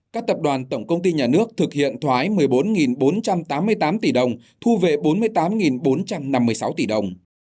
các tập đoàn tổng công ty nhà nước thực hiện thoái một mươi bốn bốn trăm tám mươi tám tỷ đồng thu về bốn mươi tám bốn trăm năm mươi sáu tỷ đồng